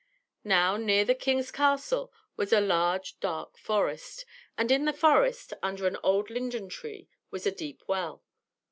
Now, near the king's castle was a large dark forest; and in the forest, under an old linden tree, was a deep well.